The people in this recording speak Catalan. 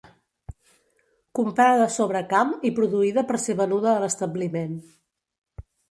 Comprada sobre camp i produïda per ser venuda a l'establiment.